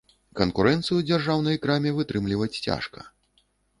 Канкурэнцыю дзяржаўнай краме вытрымліваць цяжка.